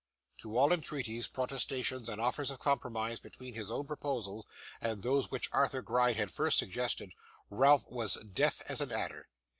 To all entreaties, protestations, and offers of compromise between his own proposals and those which Arthur Gride had first suggested, Ralph was deaf as an adder.